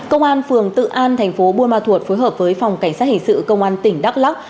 công an phường tự an thành phố buôn ma thuột phối hợp với phòng cảnh sát hình sự công an tỉnh đắk lắc